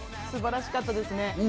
素晴らしかったですね。